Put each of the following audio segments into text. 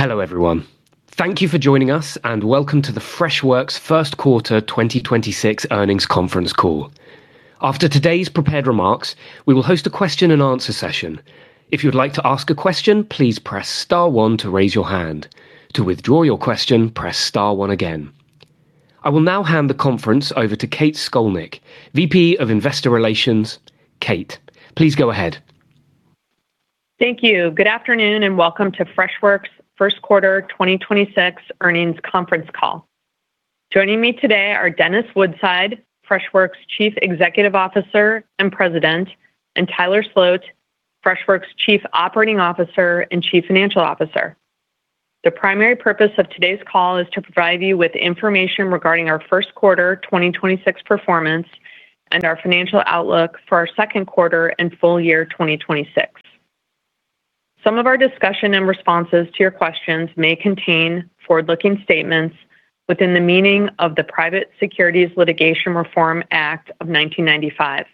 Hello, everyone. Thank you for joining us, and welcome to the Freshworks first quarter 2026 earnings conference call. After today's prepared remarks, we will host a question and answer session. If you'd like to ask a question, please press star one to raise your hand. To withdraw your question, press star one again. I will now hand the conference over to Kate Scolnick, VP of Investor Relations. Kate, please go ahead. Thank you. Good afternoon, and welcome to Freshworks' first quarter 2026 earnings conference call. Joining me today are Dennis Woodside, Freshworks' Chief Executive Officer and President, and Tyler Sloat, Freshworks' Chief Operating Officer and Chief Financial Officer. The primary purpose of today's call is to provide you with information regarding our first quarter 2026 performance and our financial outlook for our second quarter and full year 2026. Some of our discussion and responses to your questions may contain forward-looking statements within the meaning of the Private Securities Litigation Reform Act of 1995.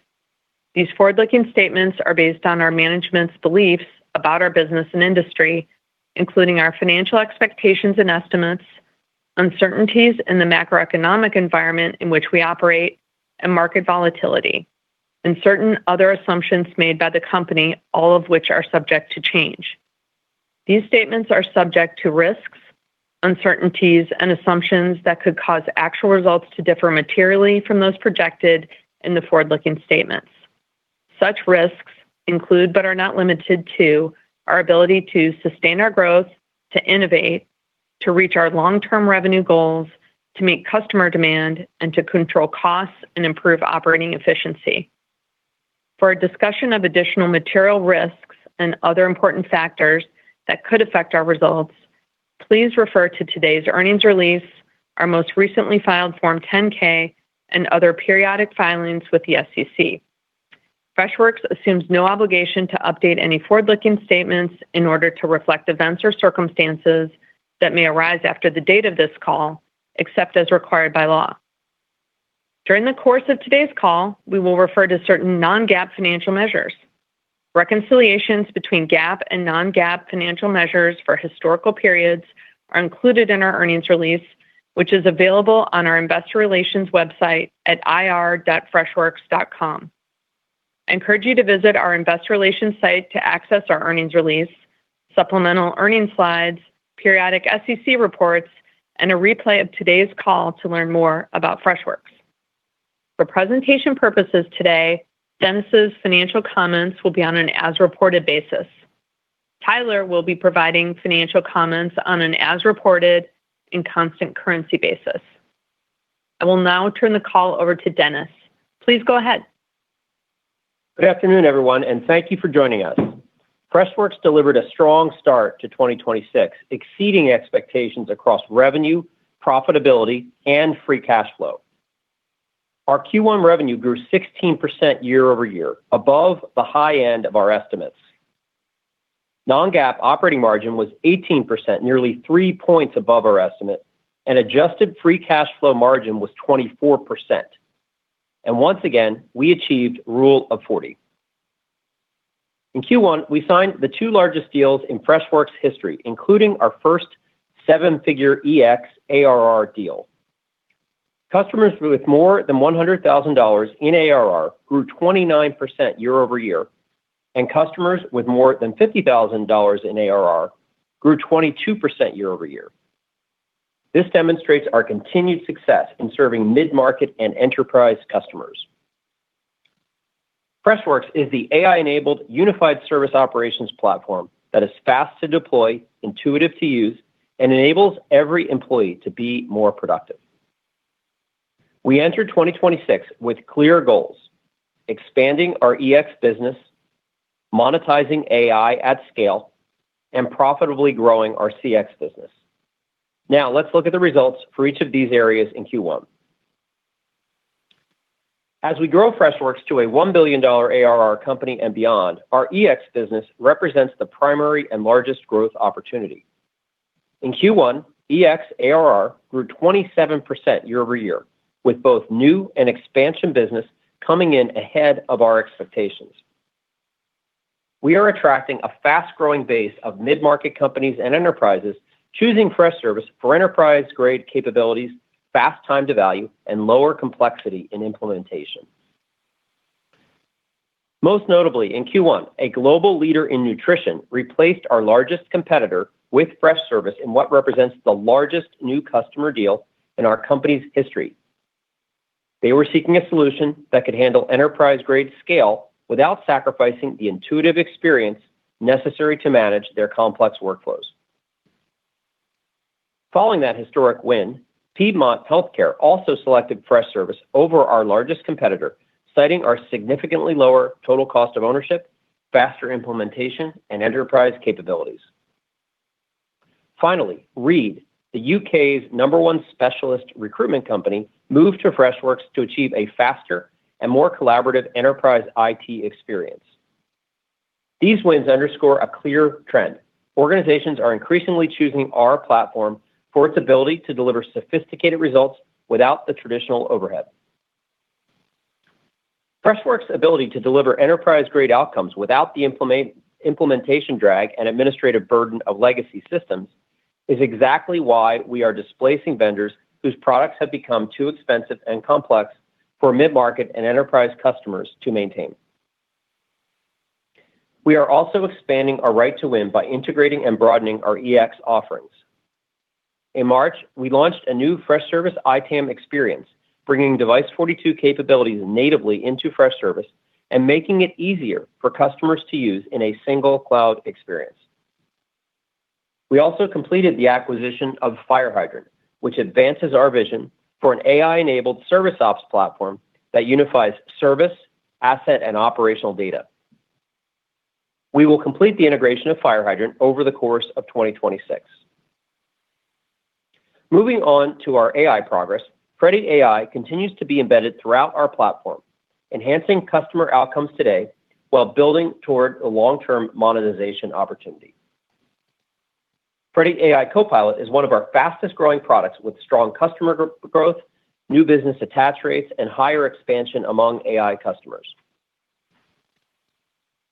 These forward-looking statements are based on our management's beliefs about our business and industry, including our financial expectations and estimates, uncertainties in the macroeconomic environment in which we operate, and market volatility, and certain other assumptions made by the company, all of which are subject to change. These statements are subject to risks, uncertainties, and assumptions that could cause actual results to differ materially from those projected in the forward-looking statements. Such risks include, but are not limited to, our ability to sustain our growth, to innovate, to reach our long-term revenue goals, to meet customer demand, and to control costs and improve operating efficiency. For a discussion of additional material risks and other important factors that could affect our results, please refer to today's earnings release, our most recently filed Form 10-K, and other periodic filings with the SEC. Freshworks assumes no obligation to update any forward-looking statements in order to reflect events or circumstances that may arise after the date of this call, except as required by law. During the course of today's call, we will refer to certain non-GAAP financial measures. Reconciliations between GAAP and non-GAAP financial measures for historical periods are included in our earnings release, which is available on our investor relations website at ir.freshworks.com. I encourage you to visit our investor relations site to access our earnings release, supplemental earnings slides, periodic SEC reports, and a replay of today's call to learn more about Freshworks. For presentation purposes today, Dennis' financial comments will be on an as-reported basis. Tyler will be providing financial comments on an as-reported and constant currency basis. I will now turn the call over to Dennis. Please go ahead. Good afternoon, everyone, and thank you for joining us. Freshworks delivered a strong start to 2026, exceeding expectations across revenue, profitability, and free cash flow. Our Q1 revenue grew 16% year-over-year, above the high end of our estimates. Non-GAAP operating margin was 18%, nearly 3 points above our estimate, and adjusted free cash flow margin was 24%. Once again, we achieved Rule of 40. In Q1, we signed the two largest deals in Freshworks' history, including our first seven-figure EX ARR deal. Customers with more than $100,000 in ARR grew 29% year-over-year, and customers with more than $50,000 in ARR grew 22% year-over-year. This demonstrates our continued success in serving mid-market and enterprise customers. Freshworks is the AI-enabled unified service operations platform that is fast to deploy, intuitive to use, and enables every employee to be more productive. We entered 2026 with clear goals, expanding our EX business, monetizing AI at scale, and profitably growing our CX business. Let's look at the results for each of these areas in Q1. As we grow Freshworks to a $1 billion ARR company and beyond, our EX business represents the primary and largest growth opportunity. In Q1, EX ARR grew 27% year-over-year, with both new and expansion business coming in ahead of our expectations. We are attracting a fast-growing base of mid-market companies and enterprises choosing Freshservice for enterprise-grade capabilities, fast time to value, and lower complexity in implementation. Most notably, in Q1, a global leader in nutrition replaced our largest competitor with Freshservice in what represents the largest new customer deal in our company's history. They were seeking a solution that could handle enterprise-grade scale without sacrificing the intuitive experience necessary to manage their complex workflows. Following that historic win, Piedmont Healthcare also selected Freshservice over our largest competitor, citing our significantly lower total cost of ownership, faster implementation, and enterprise capabilities. Finally, Reed, the U.K.'s number one specialist recruitment company, moved to Freshworks to achieve a faster and more collaborative enterprise IT experience. These wins underscore a clear trend. Organizations are increasingly choosing our platform for its ability to deliver sophisticated results without the traditional overhead. Freshworks' ability to deliver enterprise-grade outcomes without the implementation drag and administrative burden of legacy systems is exactly why we are displacing vendors whose products have become too expensive and complex for mid-market and enterprise customers to maintain. We are also expanding our right to win by integrating and broadening our EX offerings. In March, we launched a new Freshservice ITAM experience, bringing Device42 capabilities natively into Freshservice and making it easier for customers to use in a single cloud experience. We also completed the acquisition of FireHydrant, which advances our vision for an AI-enabled service ops platform that unifies service, asset, and operational data. We will complete the integration of FireHydrant over the course of 2026. Moving on to our AI progress, Freddy AI continues to be embedded throughout our platform, enhancing customer outcomes today while building toward a long-term monetization opportunity. Freddy AI Copilot is one of our fastest-growing products with strong customer growth, new business attach rates, and higher expansion among AI customers.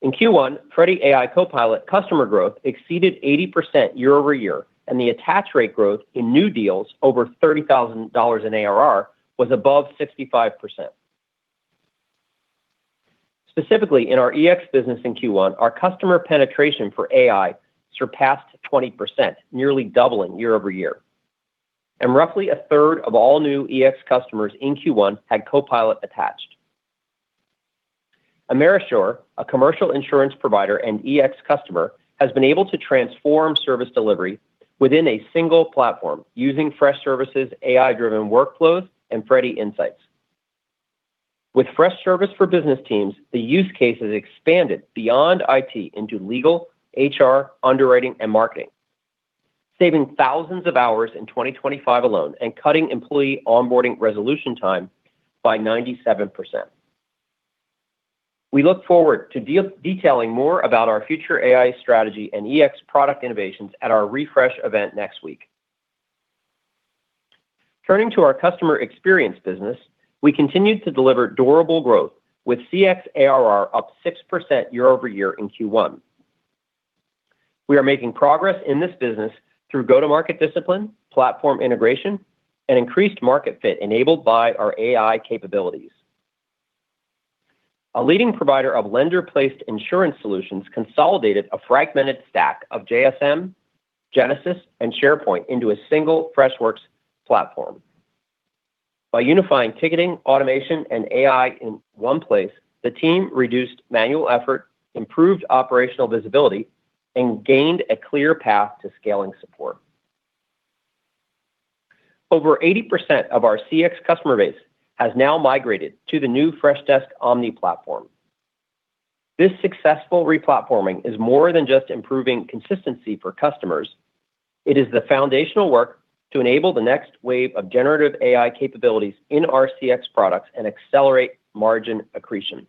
In Q1, Freddy AI Copilot customer growth exceeded 80% year-over-year. The attach rate growth in new deals over $30,000 in ARR was above 65%. Specifically, in our EX business in Q1, our customer penetration for AI surpassed 20%, nearly doubling year-over-year. Roughly a third of all new EX customers in Q1 had Copilot attached. Amerisure, a commercial insurance provider and EX customer, has been able to transform service delivery within a single platform using Freshservice's AI-driven workflows and Freddy Insights. With Freshservice for Business Teams, the use case has expanded beyond IT into legal, HR, underwriting, and marketing, saving thousands of hours in 2025 alone and cutting employee onboarding resolution time by 97%. We look forward to detailing more about our future AI strategy and EX product innovations at our Refresh event next week. Turning to our customer experience business, we continued to deliver durable growth with CX ARR up 6% year-over-year in Q1. We are making progress in this business through go-to-market discipline, platform integration, and increased market fit enabled by our AI capabilities. A leading provider of lender-placed insurance solutions consolidated a fragmented stack of JSM, Genesys, and SharePoint into a single Freshworks platform. By unifying ticketing, automation, and AI in one place, the team reduced manual effort, improved operational visibility, and gained a clear path to scaling support. Over 80% of our CX customer base has now migrated to the new Freshdesk Omni platform. This successful re-platforming is more than just improving consistency for customers. It is the foundational work to enable the next wave of generative AI capabilities in our CX products and accelerate margin accretion.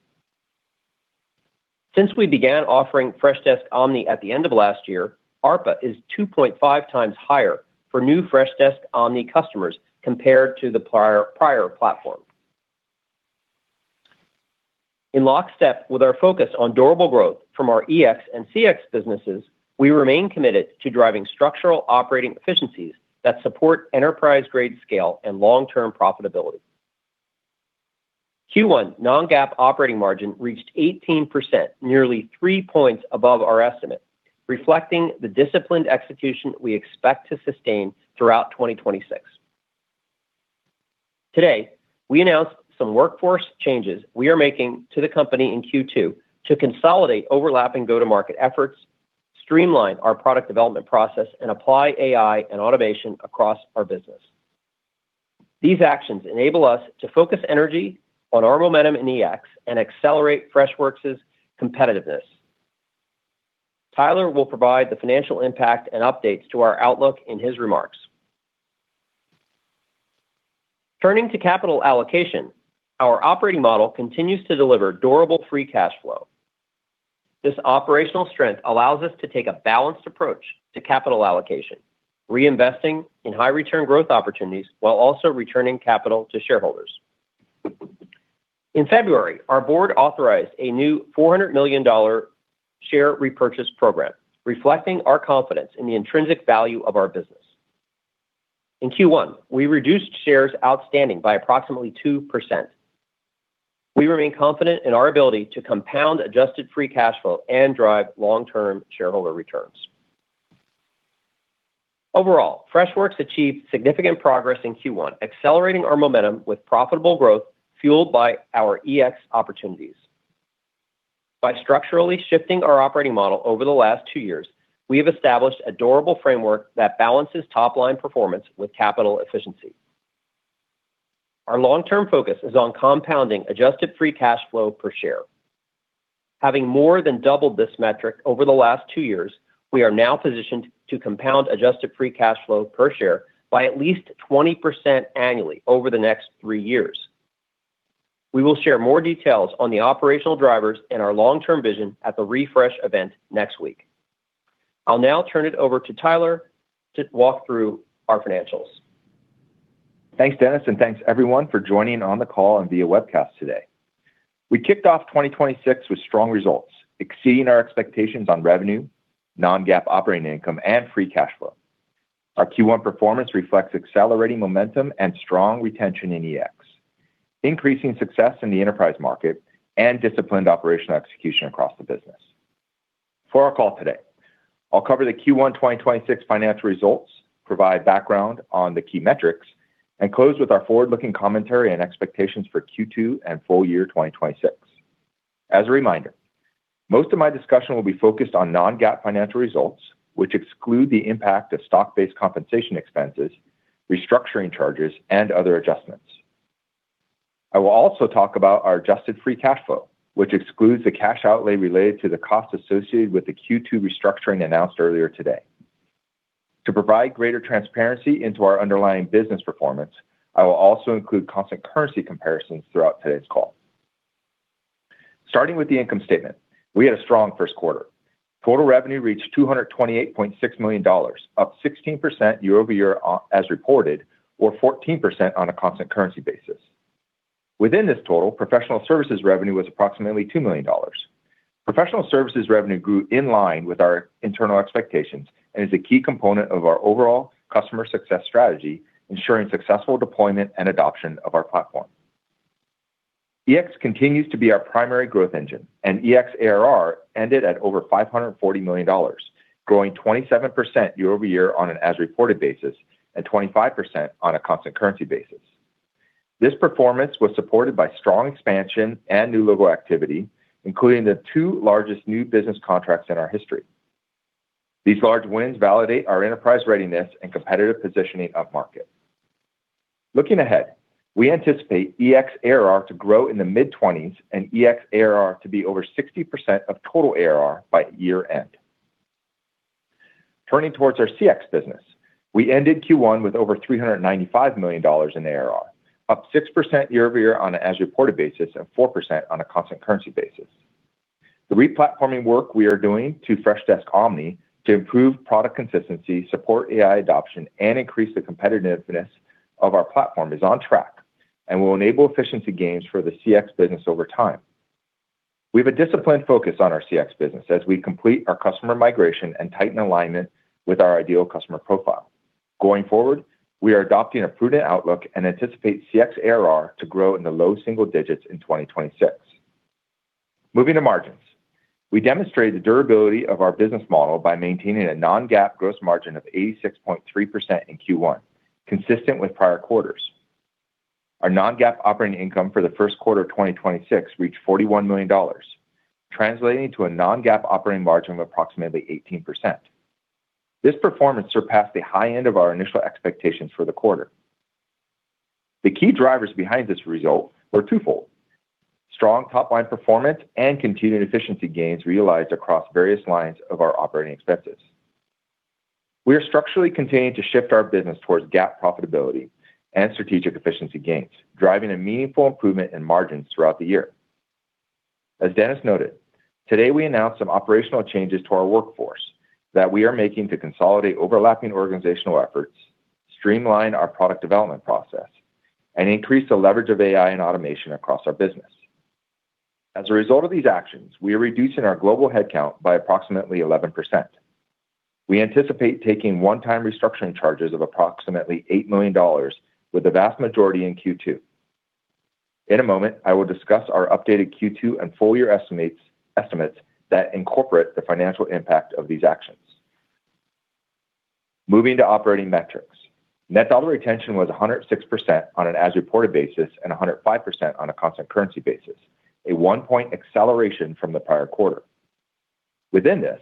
Since we began offering Freshdesk Omni at the end of last year, ARPA is 2.5x higher for new Freshdesk Omni customers compared to the prior platform. In lockstep with our focus on durable growth from our EX and CX businesses, we remain committed to driving structural operating efficiencies that support enterprise-grade scale and long-term profitability. Q1 non-GAAP operating margin reached 18%, nearly 3 points above our estimate, reflecting the disciplined execution we expect to sustain throughout 2026. Today, we announced some workforce changes we are making to the company in Q2 to consolidate overlapping go-to-market efforts, streamline our product development process, and apply AI and automation across our business. These actions enable us to focus energy on our momentum in EX and accelerate Freshworks' competitiveness. Tyler will provide the financial impact and updates to our outlook in his remarks. Turning to capital allocation, our operating model continues to deliver durable free cash flow. This operational strength allows us to take a balanced approach to capital allocation, reinvesting in high-return growth opportunities while also returning capital to shareholders. In February, our board authorized a new $400 million share repurchase program, reflecting our confidence in the intrinsic value of our business. In Q1, we reduced shares outstanding by approximately 2%. We remain confident in our ability to compound adjusted free cash flow and drive long-term shareholder returns. Overall, Freshworks achieved significant progress in Q1, accelerating our momentum with profitable growth fueled by our EX opportunities. By structurally shifting our operating model over the last two years, we have established a durable framework that balances top-line performance with capital efficiency. Our long-term focus is on compounding adjusted free cash flow per share. Having more than doubled this metric over the last two years, we are now positioned to compound adjusted free cash flow per share by at least 20% annually over the next three years. We will share more details on the operational drivers and our long-term vision at the Refresh event next week. I'll now turn it over to Tyler to walk through our financials. Thanks, Dennis, and thanks everyone for joining on the call and via webcast today. We kicked off 2026 with strong results, exceeding our expectations on revenue, non-GAAP operating income, and free cash flow. Our Q1 performance reflects accelerating momentum and strong retention in EX, increasing success in the enterprise market, and disciplined operational execution across the business. For our call today, I'll cover the Q1 2026 financial results, provide background on the key metrics, and close with our forward-looking commentary and expectations for Q2 and full year 2026. As a reminder, most of my discussion will be focused on non-GAAP financial results, which exclude the impact of stock-based compensation expenses, restructuring charges, and other adjustments. I will also talk about our adjusted free cash flow, which excludes the cash outlay related to the costs associated with the Q2 restructuring announced earlier today. To provide greater transparency into our underlying business performance, I will also include constant currency comparisons throughout today's call. Starting with the income statement, we had a strong first quarter. Total revenue reached $228.6 million, up 16% year-over-year as reported, or 14% on a constant currency basis. Within this total, professional services revenue was approximately $2 million. Professional services revenue grew in line with our internal expectations and is a key component of our overall customer success strategy, ensuring successful deployment and adoption of our platform. EX continues to be our primary growth engine, and EX ARR ended at over $540 million, growing 27% year-over-year on an as-reported basis and 25% on a constant currency basis. This performance was supported by strong expansion and new logo activity, including the two largest new business contracts in our history. These large wins validate our enterprise readiness and competitive positioning upmarket. Looking ahead, we anticipate EX ARR to grow in the mid-20s and EX ARR to be over 60% of total ARR by year-end. Turning towards our CX business, we ended Q1 with over $395 million in ARR, up 6% year-over-year on an as-reported basis and 4% on a constant currency basis. The re-platforming work we are doing to Freshdesk Omni to improve product consistency, support AI adoption, and increase the competitiveness of our platform is on track and will enable efficiency gains for the CX business over time. We have a disciplined focus on our CX business as we complete our customer migration and tighten alignment with our ideal customer profile. Going forward, we are adopting a prudent outlook and anticipate CX ARR to grow in the low single digits in 2026. Moving to margins, we demonstrated the durability of our business model by maintaining a non-GAAP gross margin of 86.3% in Q1, consistent with prior quarters. Our non-GAAP operating income for the first quarter of 2026 reached $41 million, translating to a non-GAAP operating margin of approximately 18%. This performance surpassed the high end of our initial expectations for the quarter. The key drivers behind this result were twofold: strong top-line performance and continued efficiency gains realized across various lines of our operating expenses. We are structurally continuing to shift our business towards GAAP profitability and strategic efficiency gains, driving a meaningful improvement in margins throughout the year. As Dennis noted, today we announced some operational changes to our workforce that we are making to consolidate overlapping organizational efforts, streamline our product development process, and increase the leverage of AI and automation across our business. As a result of these actions, we are reducing our global headcount by approximately 11%. We anticipate taking one-time restructuring charges of approximately $8 million, with the vast majority in Q2. In a moment, I will discuss our updated Q2 and full-year estimates that incorporate the financial impact of these actions. Moving to operating metrics. Net dollar retention was 106% on an as-reported basis and 105% on a constant currency basis, a 1-point acceleration from the prior quarter. Within this,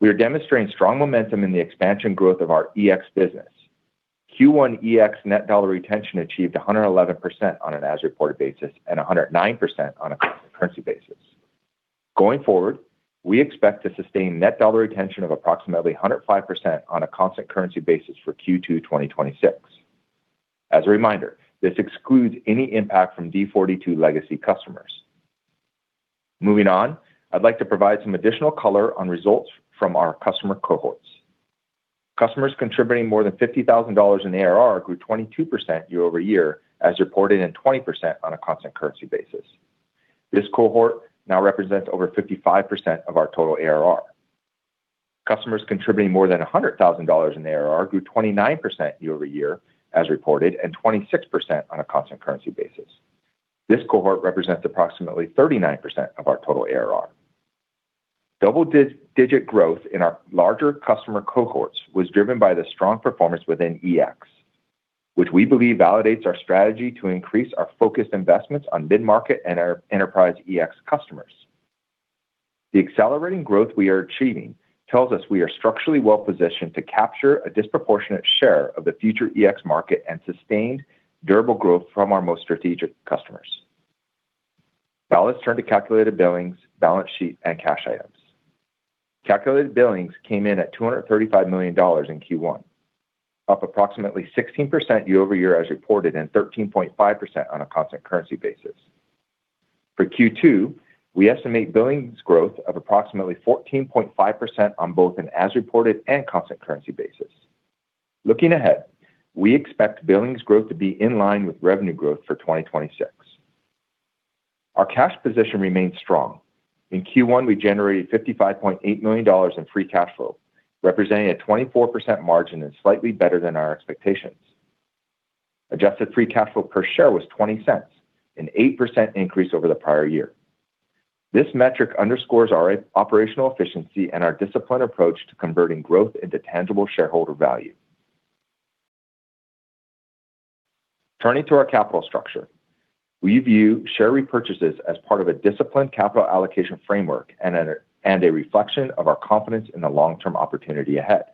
we are demonstrating strong momentum in the expansion growth of our EX business. Q1 EX net dollar retention achieved 111% on an as-reported basis and 109% on a constant currency basis. Going forward, we expect to sustain net dollar retention of approximately 105% on a constant currency basis for Q2 2026. As a reminder, this excludes any impact from D42 legacy customers. Moving on, I'd like to provide some additional color on results from our customer cohorts. Customers contributing more than $50,000 in ARR grew 22% year-over-year as reported, and 20% on a constant currency basis. This cohort now represents over 55% of our total ARR. Customers contributing more than $100,000 in ARR grew 29% year-over-year as reported and 26% on a constant currency basis. This cohort represents approximately 39% of our total ARR. Double-digit growth in our larger customer cohorts was driven by the strong performance within EX, which we believe validates our strategy to increase our focused investments on mid-market and our enterprise EX customers. The accelerating growth we are achieving tells us we are structurally well positioned to capture a disproportionate share of the future EX market and sustained, durable growth from our most strategic customers. Now let's turn to calculated billings, balance sheet, and cash items. Calculated billings came in at $235 million in Q1, up approximately 16% year-over-year as reported, and 13.5% on a constant currency basis. For Q2, we estimate billings growth of approximately 14.5% on both an as-reported and constant currency basis. Looking ahead, we expect billings growth to be in line with revenue growth for 2026. Our cash position remains strong. In Q1, we generated $55.8 million in free cash flow, representing a 24% margin and slightly better than our expectations. Adjusted free cash flow per share was $0.20, an 8% increase over the prior year. This metric underscores our operational efficiency and our disciplined approach to converting growth into tangible shareholder value. Turning to our capital structure, we view share repurchases as part of a disciplined capital allocation framework and a reflection of our confidence in the long-term opportunity ahead.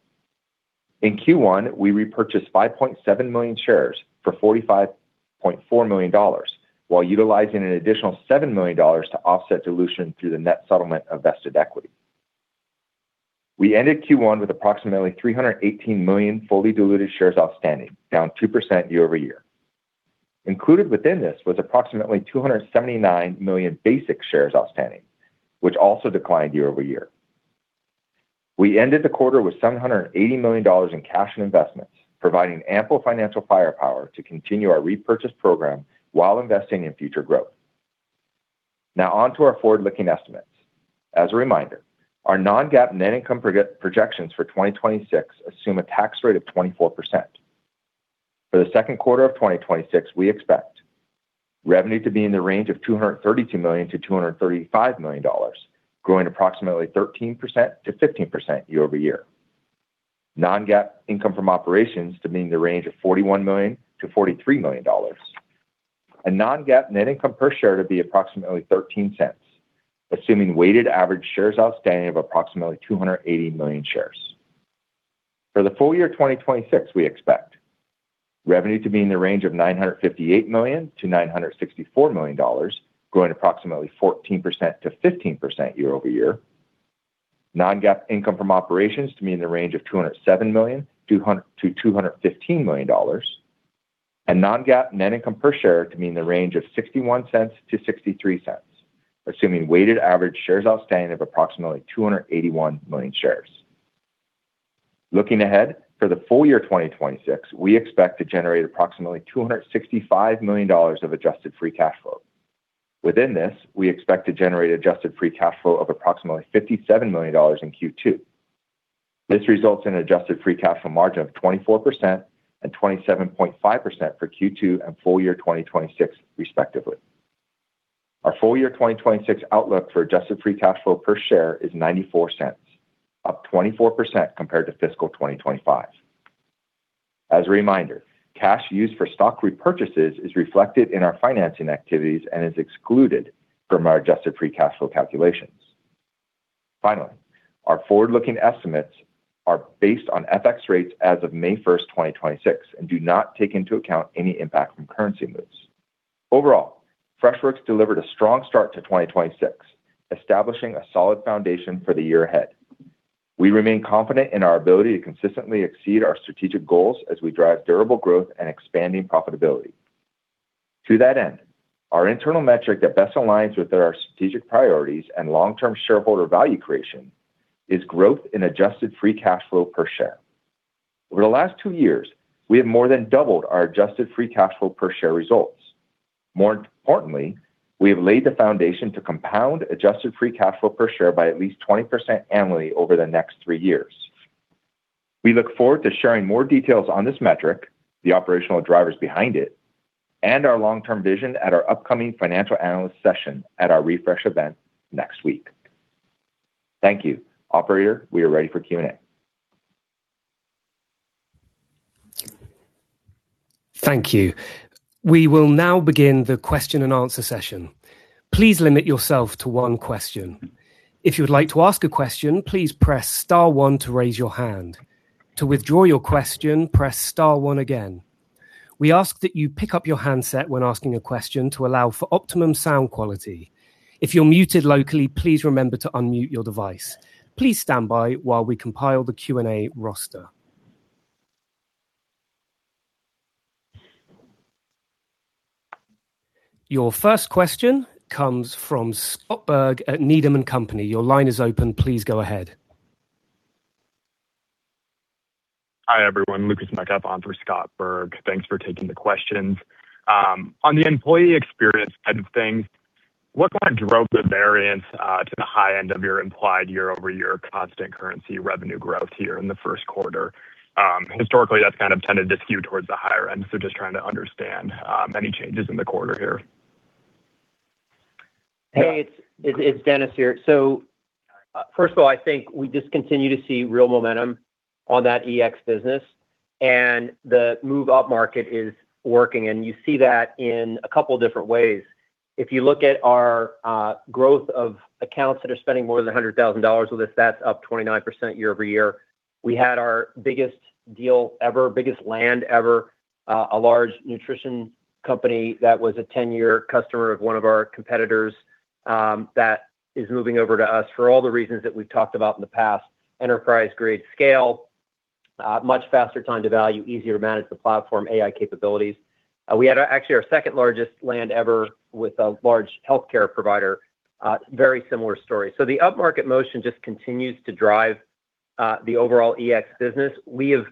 In Q1, we repurchased 5.7 million shares for $45.4 million while utilizing an additional $7 million to offset dilution through the net settlement of vested equity. We ended Q1 with approximately 318 million fully diluted shares outstanding, down 2% year-over-year. Included within this was approximately 279 million basic shares outstanding, which also declined year-over-year. We ended the quarter with $780 million in cash and investments, providing ample financial firepower to continue our repurchase program while investing in future growth. Now on to our forward-looking estimates. As a reminder, our non-GAAP net income projections for 2026 assume a tax rate of 24%. For the second quarter of 2026, we expect revenue to be in the range of $232 million-$235 million, growing approximately 13% to 15% year-over-year. Non-GAAP income from operations to be in the range of $41 million-$43 million. Non-GAAP net income per share to be approximately $0.13, assuming weighted average shares outstanding of approximately 280 million shares. For the full year 2026, we expect revenue to be in the range of $958 million-$964 million, growing approximately 14% to 15% year-over-year. Non-GAAP income from operations to be in the range of $207 million-$215 million. Non-GAAP net income per share to be in the range of $0.61-$0.63, assuming weighted average shares outstanding of approximately 281 million shares. Looking ahead, for the full year 2026, we expect to generate approximately $265 million of adjusted free cash flow. Within this, we expect to generate adjusted free cash flow of approximately $57 million in Q2. This results in an adjusted free cash flow margin of 24% and 27.5% for Q2 and full year 2026 respectively. Our full year 2026 outlook for adjusted free cash flow per share is $0.94, up 24% compared to fiscal 2025. As a reminder, cash used for stock repurchases is reflected in our financing activities and is excluded from our adjusted free cash flow calculations. Finally, our forward-looking estimates are based on FX rates as of May 1st, 2026, and do not take into account any impact from currency moves. Overall, Freshworks delivered a strong start to 2026, establishing a solid foundation for the year ahead. We remain confident in our ability to consistently exceed our strategic goals as we drive durable growth and expanding profitability. To that end, our internal metric that best aligns with our strategic priorities and long-term shareholder value creation is growth in adjusted free cash flow per share. Over the last two years, we have more than doubled our adjusted free cash flow per share results. More importantly, we have laid the foundation to compound adjusted free cash flow per share by at least 20% annually over the next three years. We look forward to sharing more details on this metric, the operational drivers behind it, and our long-term vision at our upcoming financial analyst session at our Refresh event next week. Thank you. Operator, we are ready for Q&A. Thank you. We will now begin the question-and-answer session. Please limit yourself to one question. If you would like to ask a question, please press star one to raise your hand. To withdraw your question, press star one again. We ask that you pick up your handset when asking a question to allow for optimum sound quality. If you are muted locally, please remember to unmute your device. Please stand by while we compile the Q&A roster. Your first question comes from Scott Berg at Needham & Company. Your line is open. Please go ahead. Hi, everyone. Lukas Metcalfe on for Scott Berg. Thanks for taking the questions. On the employee experience side of things, what kind of drove the variance to the high end of your implied year-over-year constant currency revenue growth here in the first quarter? Historically, that's kind of tended to skew towards the higher end, so just trying to understand any changes in the quarter here. Hey, it's Dennis here. First of all, I think we just continue to see real momentum on that EX business, and the move upmarket is working, and you see that in a couple different ways. If you look at our growth of accounts that are spending more than $100,000 with us, that's up 29% year-over-year. We had our biggest deal ever, biggest land ever, a large nutrition company that was a 10-year customer of one of our competitors, that is moving over to us for all the reasons that we've talked about in the past. Enterprise-grade scale. Much faster time to value, easier to manage the platform, AI capabilities. We had, actually our second largest land ever with a large healthcare provider, a very similar story. The upmarket motion just continues to drive the overall EX business. We have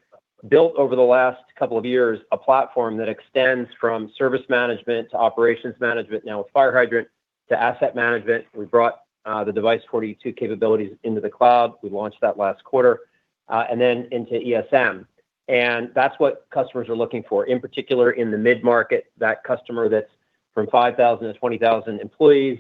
built over the last couple of years a platform that extends from service management to Operations Management now with FireHydrant to Asset Management. We brought the Device42 capabilities into the cloud, we launched that last quarter, and then into ESM. That's what customers are looking for, in particular in the mid-market, that customer that's from 5,000 to 20,000 employees,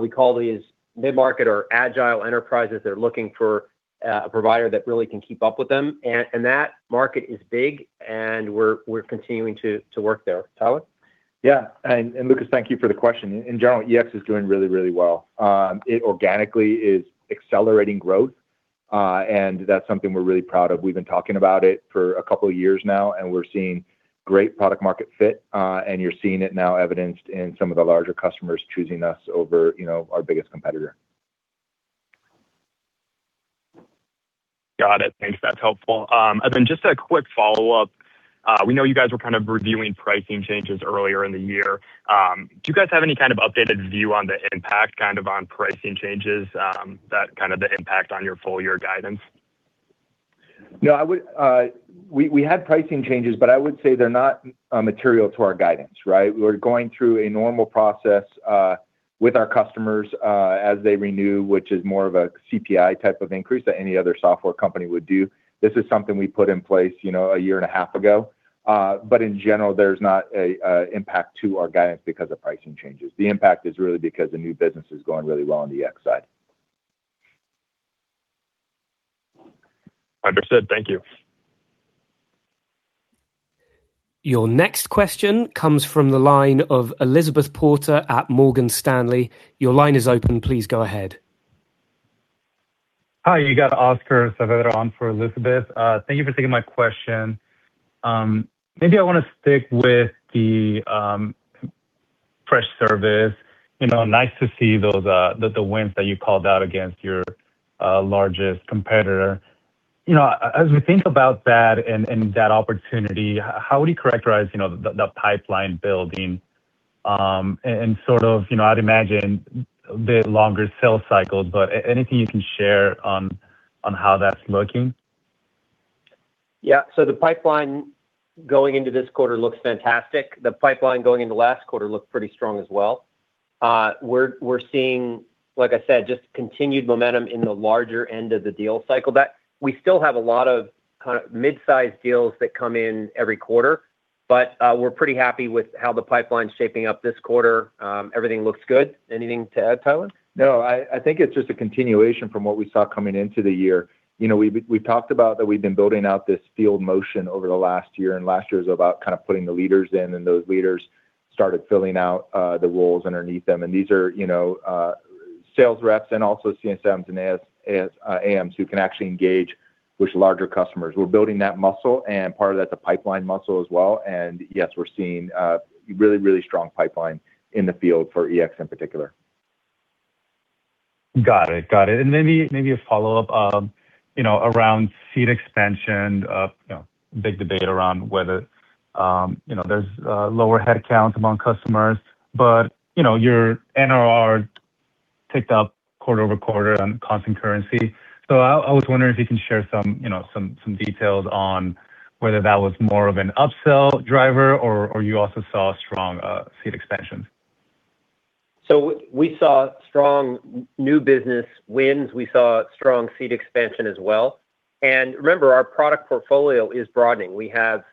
we call these mid-market or agile enterprises. They're looking for a provider that really can keep up with them. That market is big, and we're continuing to work there. Tyler? Lukas, thank you for the question. In general, EX is doing really, really well. It organically is accelerating growth, that's something we're really proud of. We've been talking about it for a couple of years now, we're seeing great product market fit, you're seeing it now evidenced in some of the larger customers choosing us over, you know, our biggest competitor. Got it. Thanks, that's helpful. Just a quick follow-up. We know you guys were kind of reviewing pricing changes earlier in the year. Do you guys have any kind of updated view on the impact on pricing changes, that the impact on your full year guidance? No, we had pricing changes, but I would say they're not material to our guidance, right? We're going through a normal process with our customers as they renew, which is more of a CPI type of increase that any other software company would do. This is something we put in place, you know, a year and a half ago. In general, there's not a impact to our guidance because of pricing changes. The impact is really because the new business is going really well on the EX side. Understood. Thank you. Your next question comes from the line of Elizabeth Porter at Morgan Stanley. Your line is open. Please go ahead. Hi, you got Oscar Saavedra on for Elizabeth. Thank you for taking my question. Maybe I wanna stick with the Freshservice. You know, nice to see those the wins that you called out against your largest competitor. You know, as we think about that and that opportunity, how would you characterize, you know, the pipeline building and sort of, you know, I'd imagine the longer sales cycles, but anything you can share on how that's looking? Yeah. The pipeline going into this quarter looks fantastic. The pipeline going into last quarter looked pretty strong as well. We're seeing, like I said, just continued momentum in the larger end of the deal cycle. We still have a lot of kinda midsize deals that come in every quarter. We're pretty happy with how the pipeline's shaping up this quarter. Everything looks good. Anything to add, Tyler? No, I think it's just a continuation from what we saw coming into the year. You know, we've talked about that we've been building out this field motion over the last year, and last year was about kind of putting the leaders in, and those leaders started filling out the roles underneath them. These are, you know, sales reps and also CSMs and [ASMs] who can actually engage with larger customers. We're building that muscle, and part of that's a pipeline muscle as well. Yes, we're seeing a really, really strong pipeline in the field for EX in particular. Got it. Got it. Maybe, maybe a follow-up, you know, around seat expansion, you know, big debate around whether, you know, there's lower headcounts among customers, but, you know, your [NDR] picked up quarter-over-quarter on constant currency. I was wondering if you can share some, you know, some details on whether that was more of an upsell driver or you also saw strong seat expansions. We saw strong new business wins. We saw strong seat expansion as well. Remember, our product portfolio is broadening. We have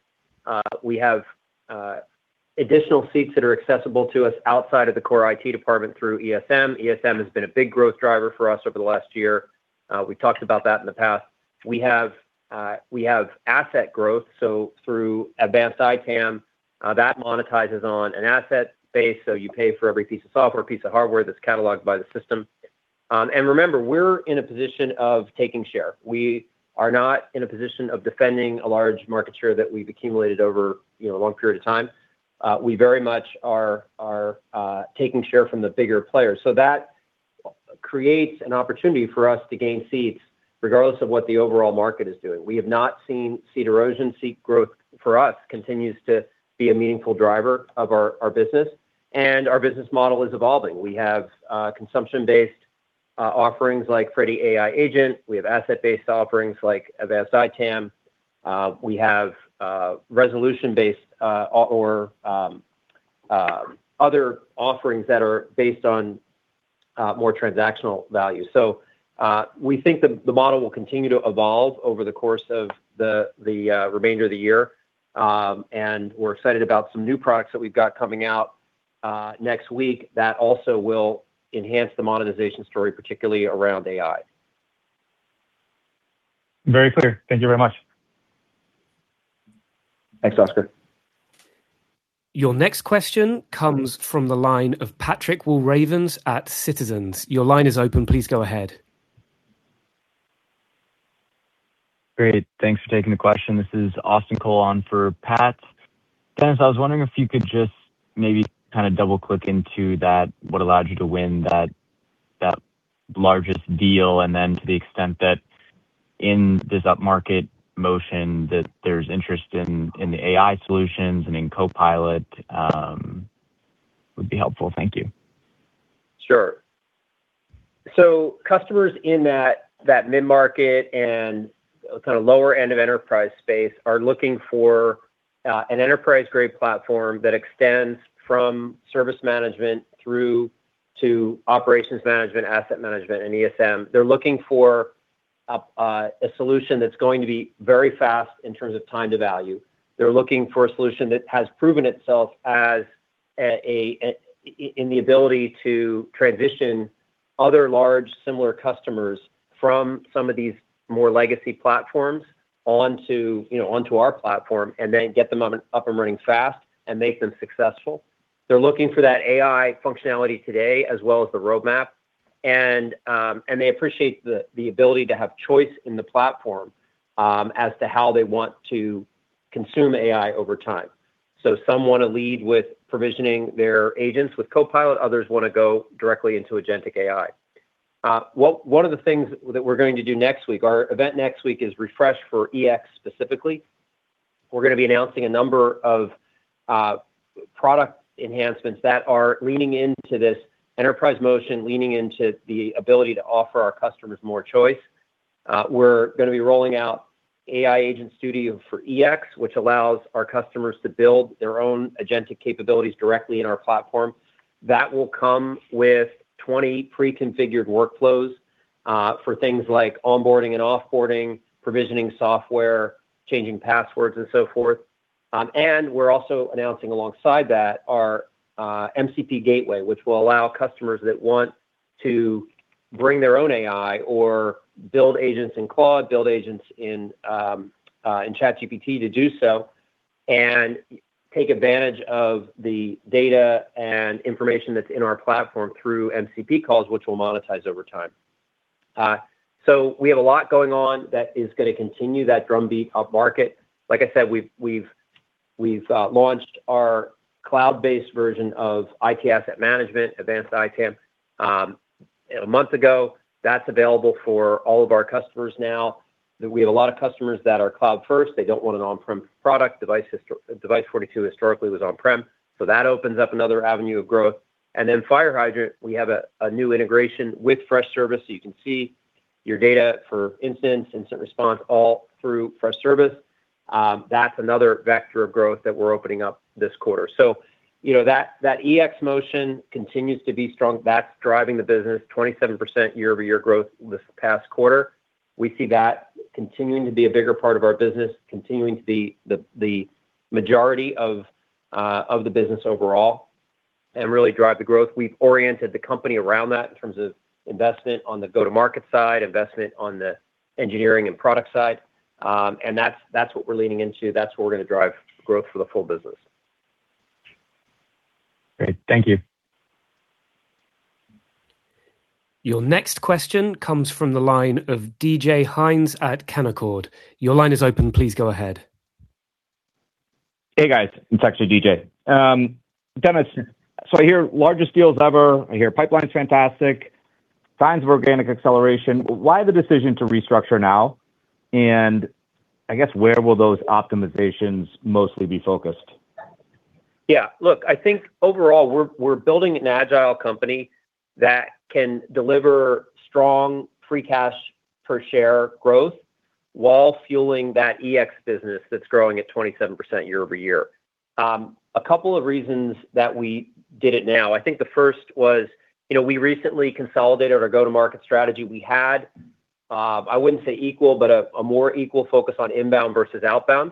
additional seats that are accessible to us outside of the core IT department through ESM. ESM has been a big growth driver for us over the last year. We've talked about that in the past. We have asset growth, so through Advanced ITAM, that monetizes on an asset base, so you pay for every piece of software, piece of hardware that's cataloged by the system. Remember, we're in a position of taking share. We are not in a position of defending a large market share that we've accumulated over, you know, a long period of time. We very much are taking share from the bigger players. That creates an opportunity for us to gain seats regardless of what the overall market is doing. We have not seen seat erosion. Seat growth for us continues to be a meaningful driver of our business, and our business model is evolving. We have consumption-based offerings like Freddy AI Agent. We have asset-based offerings like Advanced ITAM. We have resolution-based or other offerings that are based on more transactional value. We think the model will continue to evolve over the course of the remainder of the year. And we're excited about some new products that we've got coming out next week that also will enhance the monetization story, particularly around AI. Very clear. Thank you very much. Thanks, Oscar. Your next question comes from the line of Patrick Walravens at Citizens. Your line is open. Please go ahead. Great. Thanks for taking the question. This is Austin Cole on for Pat. Dennis, I was wondering if you could just maybe kind of double-click into that, what allowed you to win that largest deal, and then to the extent that in this upmarket motion that there's interest in the AI solutions and in Copilot, would be helpful. Thank you. Sure. Customers in that mid-market and kind of lower end of enterprise space are looking for an enterprise-grade platform that extends from service management through to Operations Management, Asset Management, and ESM. They're looking for a solution that's going to be very fast in terms of time to value. They're looking for a solution that has proven itself in the ability to transition other large similar customers from some of these more legacy platforms onto, you know, onto our platform, and then get them up and running fast and make them successful. They're looking for that AI functionality today, as well as the roadmap. They appreciate the ability to have choice in the platform as to how they want to consume AI over time. Some wanna lead with provisioning their agents with Copilot, others wanna go directly into agentic AI. One of the things that we're going to do next week, our event next week is Refresh for EX specifically. We're gonna be announcing a number of product enhancements that are leaning into this enterprise motion, leaning into the ability to offer our customers more choice. We're gonna be rolling out AI Agent Studio for EX, which allows our customers to build their own agentic capabilities directly in our platform. That will come with 20 pre-configured workflows for things like onboarding and offboarding, provisioning software, changing passwords, and so forth. We're also announcing alongside that our MCP Gateway, which will allow customers that want to bring their own AI or build agents in Claude, build agents in ChatGPT to do so, and take advantage of the data and information that's in our platform through MCP calls, which we'll monetize over time. We have a lot going on that is gonna continue that drumbeat upmarket. Like I said, we've launched our cloud-based version of IT Asset Management, Advanced ITAM, a month ago. That's available for all of our customers now. We have a lot of customers that are cloud first. They don't want an on-prem product. Device42 historically was on-prem, so that opens up another avenue of growth. FireHydrant, we have a new integration with Freshservice, so you can see your data for instance, incident response, all through Freshservice. That's another vector of growth that we're opening up this quarter. EX motion continues to be strong. That's driving the business. 27% year-over-year growth this past quarter. We see that continuing to be a bigger part of our business, continuing to be the majority of the business overall and really drive the growth. We've oriented the company around that in terms of investment on the go-to-market side, investment on the engineering and product side, and that's what we're leaning into. That's where we're gonna drive growth for the full business. Great. Thank you. Your next question comes from the line of DJ Hynes at Canaccord. Your line is open. Please go ahead. Hey, guys. It's actually DJ. Dennis, I hear largest deals ever. I hear pipeline's fantastic. Signs of organic acceleration. Why the decision to restructure now? I guess where will those optimizations mostly be focused? Look, I think overall we're building an agile company that can deliver strong free cash per share growth while fueling that EX business that's growing at 27% year-over-year. A couple of reasons that we did it now. I think the first was, you know, we recently consolidated our go-to-market strategy. We had, I wouldn't say equal, but a more equal focus on inbound versus outbound.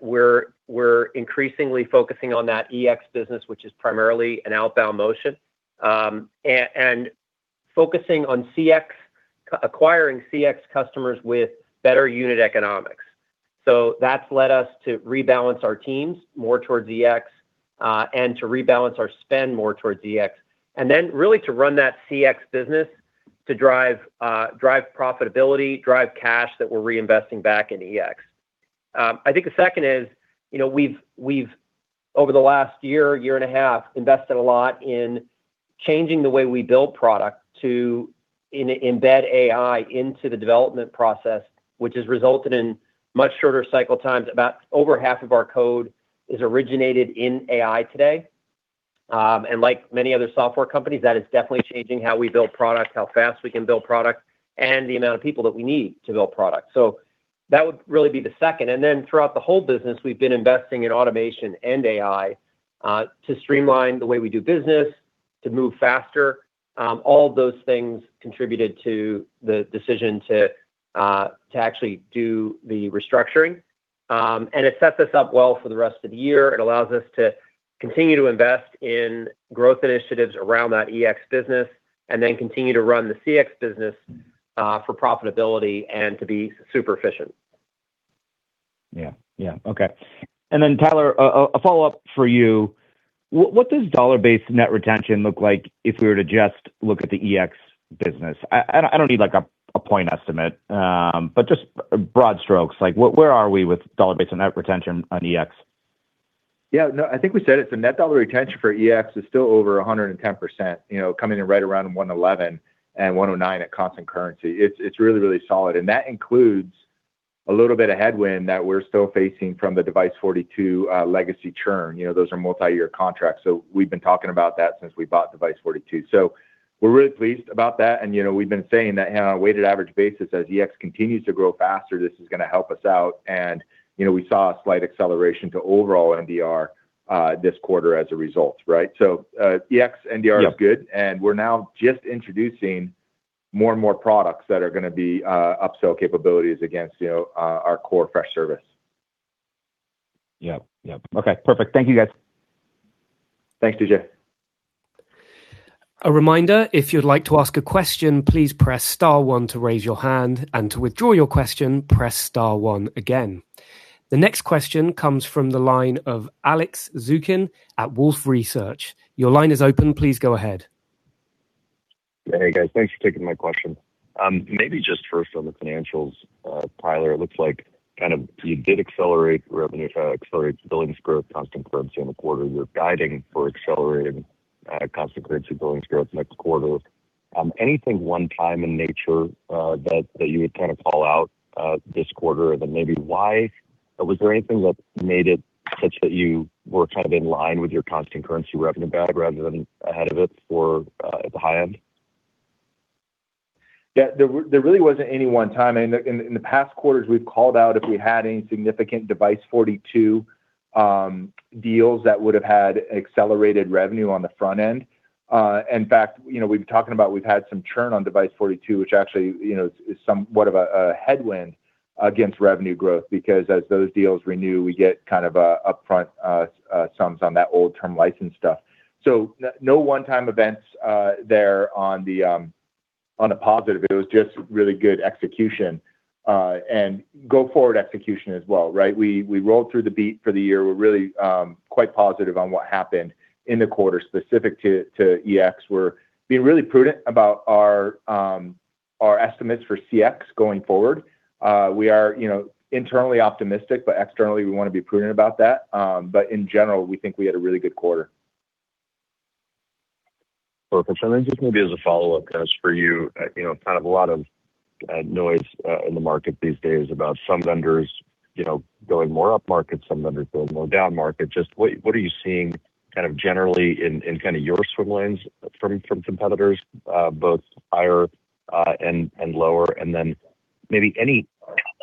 We're increasingly focusing on that EX business, which is primarily an outbound motion, and focusing on CX, acquiring CX customers with better unit economics. That's led us to rebalance our teams more towards EX and to rebalance our spend more towards EX. Then really to run that CX business to drive profitability, drive cash that we're reinvesting back into EX. I think the second is, you know, we've, over the last year and a half, invested a lot in changing the way we build product to embed AI into the development process, which has resulted in much shorter cycle times. About over half of our code is originated in AI today. Like many other software companies, that is definitely changing how we build product, how fast we can build product, and the amount of people that we need to build product. That would really be the second. Then throughout the whole business, we've been investing in automation and AI to streamline the way we do business, to move faster. All those things contributed to the decision to actually do the restructuring. It sets us up well for the rest of the year. It allows us to continue to invest in growth initiatives around that EX business, and then continue to run the CX business for profitability and to be super efficient. Yeah. Yeah. Okay. Tyler, a follow-up for you. What does dollar-based net retention look like if we were to just look at the EX business? I don't need like a point estimate, but just broad strokes. Like, where are we with dollar-based net retention on EX? I think we said it. The net dollar retention for EX is still over 110%, you know, coming in right around 111% and 109% at constant currency. It's really, really solid. That includes a little bit of headwind that we're still facing from the Device42 legacy churn. You know, those are multi-year contracts, so we've been talking about that since we bought Device42. We're really pleased about that. You know, we've been saying that on a weighted average basis as EX continues to grow faster, this is gonna help us out. You know, we saw a slight acceleration to overall NDR this quarter as a result, right? EX NDR is good. We're now just introducing more and more products that are gonna be, upsell capabilities against, you know, our core Freshservice. Yep. Okay, perfect. Thank you, guys. Thanks, DJ. A reminder, if you'd like to ask a question, please press star one to raise your hand. To withdraw your question, press star one again. The next question comes from the line of Alex Zukin at Wolfe Research. Your line is open. Please go ahead. Hey, guys. Thanks for taking my question. Maybe just first on the financials, Tyler, it looks like you did accelerate revenue, accelerate billings growth, constant currency in the quarter. You're guiding for accelerated constant currency billings growth next quarter. Anything one time in nature that you would call out this quarter? Maybe why, or was there anything that made it such that you were in line with your constant currency revenue guide rather than ahead of it for at the high end? Yeah. There really wasn't any one time. In the past quarters, we've called out if we had any significant Device42 deals that would have had accelerated revenue on the front end. In fact, you know, we've been talking about we've had some churn on Device42, which actually, you know, is somewhat of a headwind against revenue growth. As those deals renew, we get kind of a upfront sums on that old term license stuff. No one time events there on the positive. It was just really good execution and go forward execution as well, right? We rolled through the beat for the year. We're really quite positive on what happened in the quarter specific to EX. We're being really prudent about our estimates for CX going forward. We are, you know, internally optimistic, but externally we wanna be prudent about that. In general, we think we had a really good quarter. Perfect. Then just maybe as a follow-up, guys, for you. You know, kind of a lot of noise in the market these days about some vendors, you know, going more up market, some vendors going more down market. Just what are you seeing kind of generally in kind of your swim lanes from competitors, both higher and lower? Then maybe any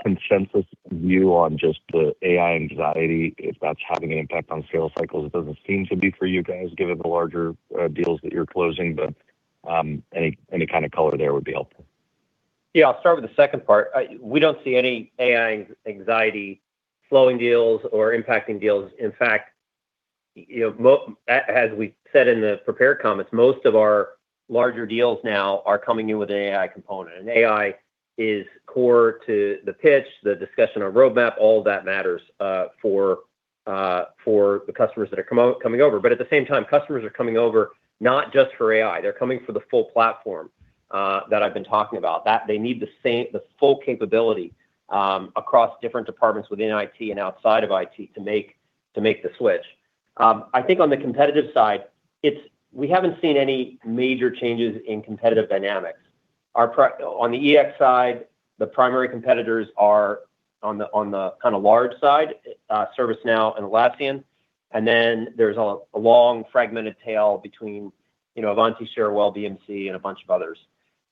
consensus view on just the AI anxiety, if that's having an impact on sales cycles. It doesn't seem to be for you guys, given the larger deals that you're closing. Any kind of color there would be helpful. Yeah, I'll start with the second part. We don't see any AI anxiety slowing deals or impacting deals. In fact, you know, as we said in the prepared comments, most of our larger deals now are coming in with an AI component, and AI is core to the pitch, the discussion on roadmap, all that matters for the customers that are coming over. At the same time, customers are coming over not just for AI. They're coming for the full platform that I've been talking about. They need the full capability across different departments within IT and outside of IT to make the switch. I think on the competitive side, we haven't seen any major changes in competitive dynamics. On the EX side, the primary competitors are, on the, on the kinda large side, ServiceNow and Atlassian. There's a long fragmented tail between, you know, Ivanti, Cherwell, BMC, and a bunch of others.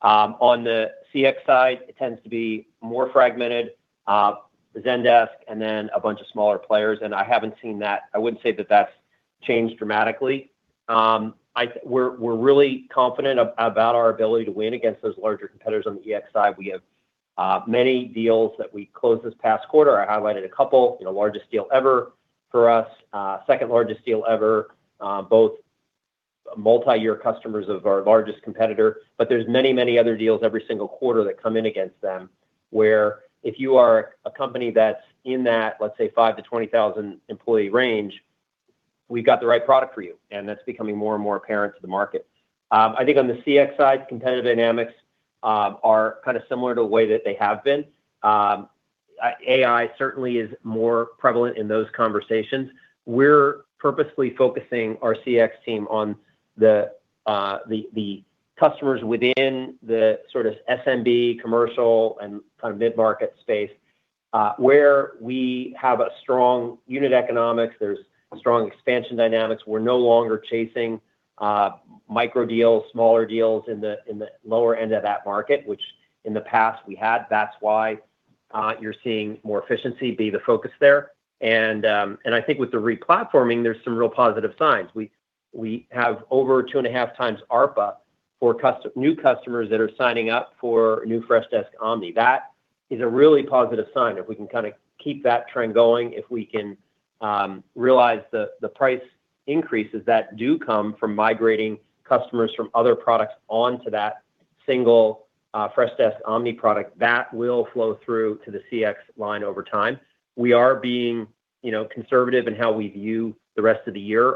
On the CX side, it tends to be more fragmented, Zendesk and a bunch of smaller players. I haven't seen that I wouldn't say that that's changed dramatically. We're really confident about our ability to win against those larger competitors on the EX side. We have many deals that we closed this past quarter. I highlighted a couple. You know, largest deal ever for us, second largest deal ever, both multi-year customers of our largest competitor. There's many, many other deals every single quarter that come in against them, where if you are a company that's in that, let's say, 5,000-20,000 employee range, we've got the right product for you, and that's becoming more and more apparent to the market. I think on the CX side, competitive dynamics are kind of similar to the way that they have been. AI certainly is more prevalent in those conversations. We're purposefully focusing our CX team on the customers within the sort of SMB commercial and kind of mid-market space, where we have a strong unit economics. There's strong expansion dynamics. We're no longer chasing micro deals, smaller deals in the lower end of that market, which in the past we had. That's why you're seeing more efficiency be the focus there. I think with the re-platforming, there's some real positive signs. We have over 2.5x ARPA for new customers that are signing up for new Freshdesk Omni. That is a really positive sign. If we can kinda keep that trend going, if we can realize the price increases that do come from migrating customers from other products onto that single Freshdesk Omni product, that will flow through to the CX line over time. We are being, you know, conservative in how we view the rest of the year.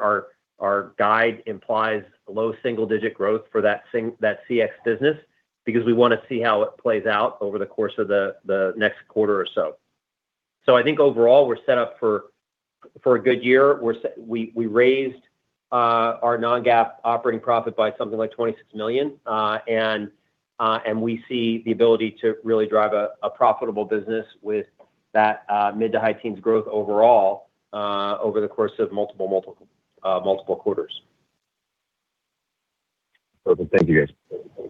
Our guide implies low single-digit growth for that CX business because we wanna see how it plays out over the course of the next quarter or so. I think overall we're set up for a good year. We raised our non-GAAP operating profit by something like $26 million. We see the ability to really drive a profitable business with that mid to high teens growth overall over the course of multiple quarters. Perfect. Thank you, guys.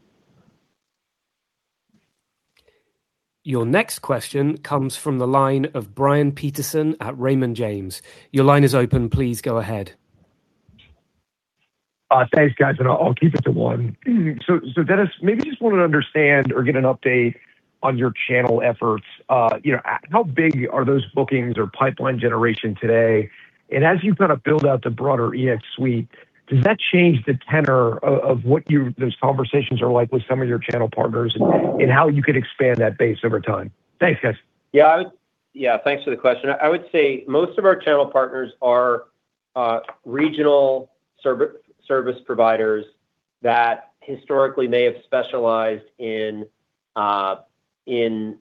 Your next question comes from the line of Brian Peterson at Raymond James. Your line is open. Please go ahead. Thanks guys, and I'll keep it to one. Dennis, maybe just wanted to understand or get an update on your channel efforts. You know, how big are those bookings or pipeline generation today? As you kind of build out the broader EX suite, does that change the tenor of those conversations are like with some of your channel partners and how you could expand that base over time? Thanks, guys. Thanks for the question. I would say most of our channel partners are regional service providers that historically may have specialized in JSM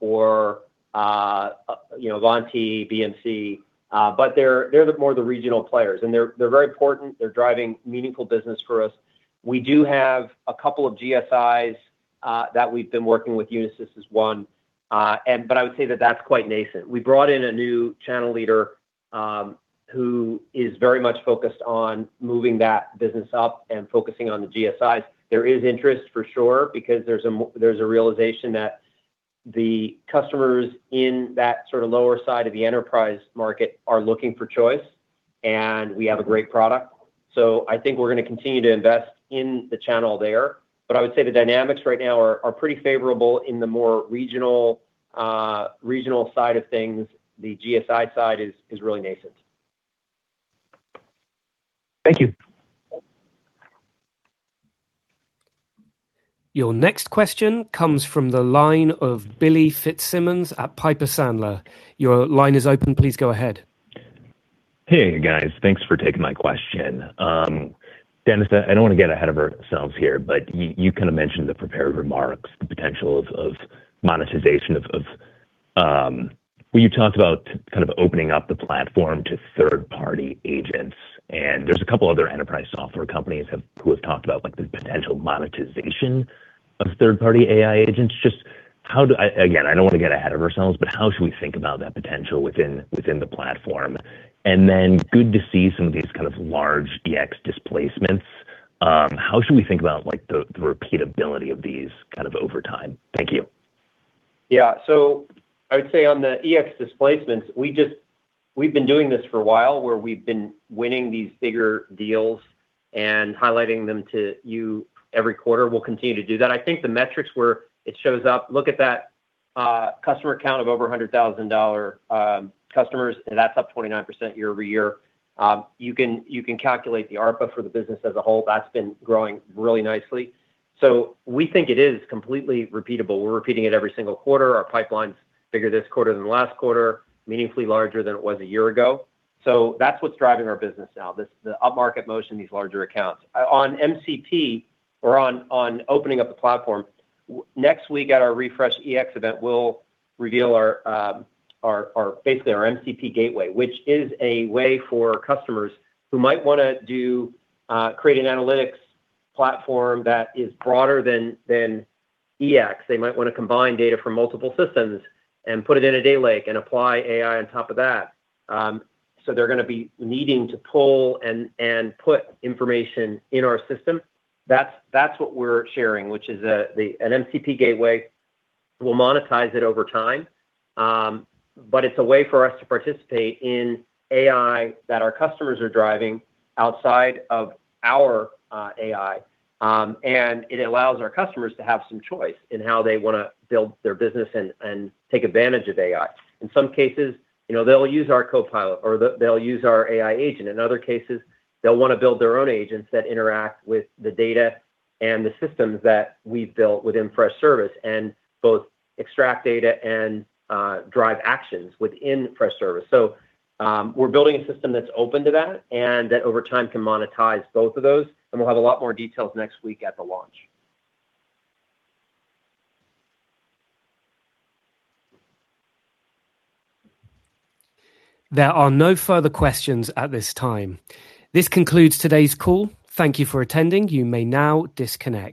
or, you know, Ivanti, BMC. They're the more the regional players, and they're very important. They're driving meaningful business for us. We do have a couple of GSIs that we've been working with, Unisys is one, but I would say that that's quite nascent. We brought in a new channel leader who is very much focused on moving that business up and focusing on the GSIs. There is interest for sure because there's a realization that the customers in that sort of lower side of the enterprise market are looking for choice, and we have a great product. I think we're gonna continue to invest in the channel there. I would say the dynamics right now are pretty favorable in the more regional side of things. The GSI side is really nascent. Thank you. Your next question comes from the line of Billy Fitzsimmons at Piper Sandler. Your line is open. Please go ahead. Hey guys. Thanks for taking my question. Dennis, I don't want to get ahead of ourselves here, but you kind of mentioned the prepared remarks, the potential of monetization. You talked about kind of opening up the platform to third-party agents, and there's a couple other enterprise software companies who have talked about like the potential monetization of third-party AI agents. I don't want to get ahead of ourselves, but how should we think about that potential within the platform? Good to see some of these kind of large EX displacements. How should we think about like the repeatability of these kind of over time? Thank you. Yeah. I would say on the EX displacements, we've been doing this for a while, where we've been winning these bigger deals and highlighting them to you every quarter. We'll continue to do that. I think the metrics where it shows up, look at that customer count of over a $100,000 customers, that's up 29% year-over-year. You can calculate the ARPA for the business as a whole. That's been growing really nicely. We think it is completely repeatable. We're repeating it every single quarter. Our pipeline's bigger this quarter than the last quarter, meaningfully larger than it was a year ago. That's what's driving our business now, this, the upmarket motion, these larger accounts. On MCP or on opening up the platform, next week at our Refresh EX event, we'll reveal our basically our MCP Gateway, which is a way for customers who might wanna do create an analytics platform that is broader than EX. They might wanna combine data from multiple systems and put it in a data lake and apply AI on top of that. They're gonna be needing to pull and put information in our system. That's what we're sharing, which is an MCP Gateway. We'll monetize it over time. It's a way for us to participate in AI that our customers are driving outside of our AI. It allows our customers to have some choice in how they wanna build their business and take advantage of AI. In some cases, you know, they'll use our Copilot or they'll use our AI agent. In other cases, they'll wanna build their own agents that interact with the data and the systems that we've built within Freshservice and both extract data and drive actions within Freshservice. We're building a system that's open to that and that over time can monetize both of those, and we'll have a lot more details next week at the launch. There are no further questions at this time. This concludes today's call. Thank you for attending. You may now disconnect.